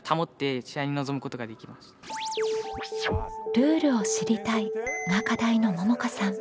「ルールを知りたい」が課題のももかさん。